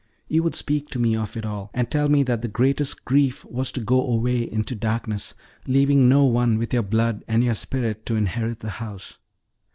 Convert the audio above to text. You would speak to me of it all, and tell me that the greatest grief was to go away into darkness, leaving no one with your blood and your spirit to inherit the house.